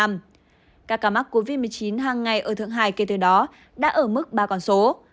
các ca mắc covid một mươi chín hàng ngày ở thượng hai kể từ đó đã ở mức ba con số